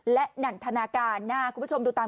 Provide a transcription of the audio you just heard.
และนันทนาการนะคุณผู้ชมดูตาม